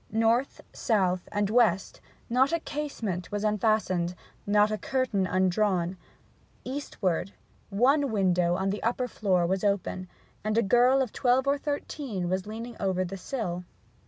North, south, and west, not a casement was unfastened, not a curtain undrawn; eastward, one window on the upper floor was open, and a girl of twelve or thirteen was leaning over the sill.